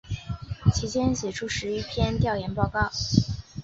其间写出十余篇调研报告。